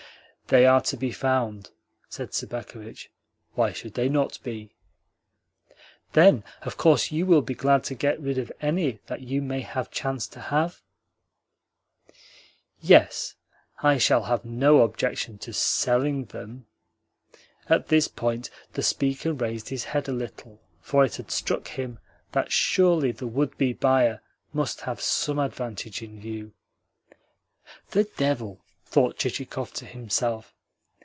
"They are to be found," said Sobakevitch. "Why should they not be?" "Then of course you will be glad to get rid of any that you may chance to have?" "Yes, I shall have no objection to SELLING them." At this point the speaker raised his head a little, for it had struck him that surely the would be buyer must have some advantage in view. "The devil!" thought Chichikov to himself.